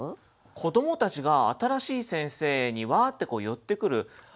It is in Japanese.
子どもたちが新しい先生にワーッて寄ってくる。